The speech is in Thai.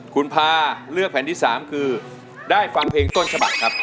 คุณพาเลือกแผ่นที่๓คือได้ฟังเพลงต้นฉบับครับ